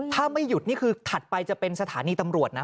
ถ้าไม่หยุดนี่คือถัดไปจะเป็นสถานีตำรวจนะ